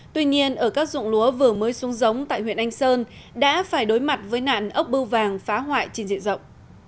tuy nhiên ở các dụng lúa vừa mới xuống giống tại huyện anh sơn đã phải đối mặt với nạn ốc bưu vàng phá hoại trên diện rộng